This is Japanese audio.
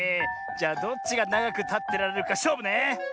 じゃどっちがながくたってられるかしょうぶね！